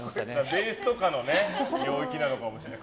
ベースとかの領域なのかもしれない。